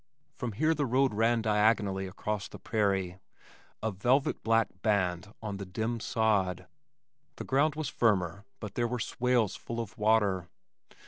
From here the road ran diagonally across the prairie, a velvet black band on the dim sod. The ground was firmer but there were swales full of water.